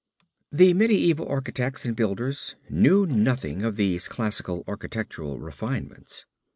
The medieval architects and builders knew nothing of these classical architectural refinements.